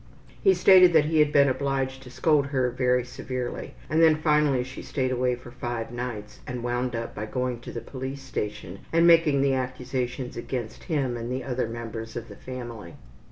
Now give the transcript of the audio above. He stated that he had been obliged to scold her very severely, and then finally she stayed away for five nights and wound up by going to the police station and making the accusations against him and the other members of the family.